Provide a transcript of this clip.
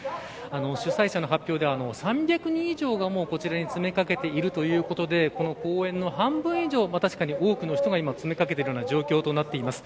主催者の発表では３００人以上が詰めかけているということでこの公園の半分以上多くの人が詰めかけている状況となっています。